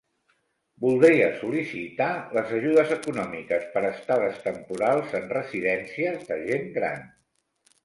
Voldria sol·licitar les ajudes econòmiques per estades temporals en residències de gent gran.